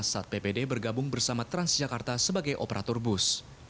saat ppd bergabung bersama transjakarta sebagai operator bus